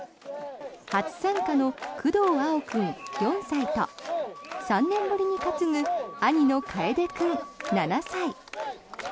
初参加の工藤蒼央君、４歳と３年ぶりに担ぐ兄の楓君７歳。